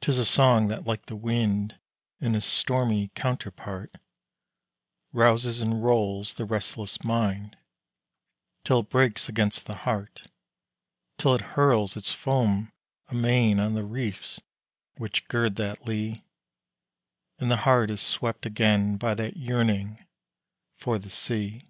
'Tis a song that, like the wind In a stormy counterpart, Rouses and rolls the restless mind, Till it breaks against the heart Till it hurls its foam amain On the reefs which gird that lee And the heart is swept again By that yearning for the sea.